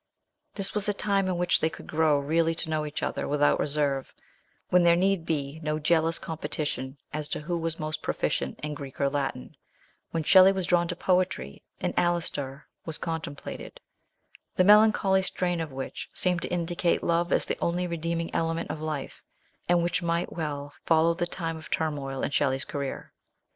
This was a time in which they could grow really to know each other without reserve, when there need be no jealous competition as to who was most proficient in Greek or Latin ; when Shelley was drawn to poetry, and Alastor was contemplated, the melancholy strain of which seems to indicate love as the only redeeming element of life, and which might well follow the time of turmoil in Shelley's career.